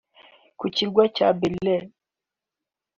ku kirwa cya Bedloe